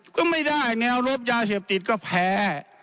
ก็ไม่ได้แนวรบยาเสพติดก็แพ้